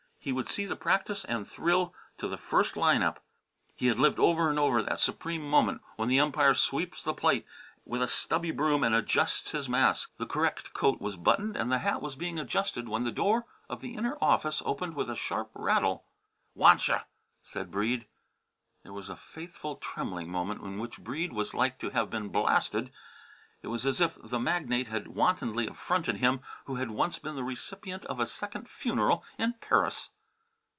He would see the practice and thrill to the first line up. He had lived over and over that supreme moment when the umpire sweeps the plate with a stubby broom and adjusts his mask. The correct coat was buttoned and the hat was being adjusted when the door of the inner office opened with a sharp rattle. "Wantcha!" said Breede. There was a fateful, trembling moment in which Breede was like to have been blasted; it was as if the magnate had wantonly affronted him who had once been the recipient of a second funeral in Paris.